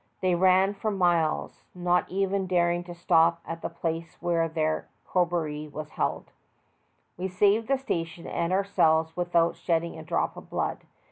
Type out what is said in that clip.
They ran for miles, not even daring to stop at the place where their corroboree was held. We saved the station and ourselves without shedding a drop of blood.